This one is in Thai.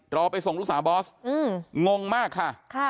รอไปส่งลูกสาวบอสงงมากค่ะ